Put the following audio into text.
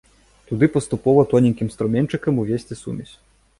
Туды паступова тоненькім струменьчыкам увесці сумесь.